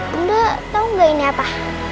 bunda tau nggak ini apa